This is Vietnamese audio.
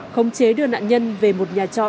khống chế đưa nạn nhân về một nhà trọ